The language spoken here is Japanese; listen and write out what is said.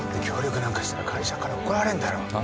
協力なんかしたら会社から怒られんだろ。